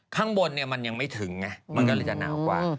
ข้างบนมันยังไม่ถึงไงมันก็เลยจะหนาวกว่า